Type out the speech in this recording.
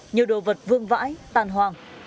nhiều đồ vật vương vãi tàn hoàng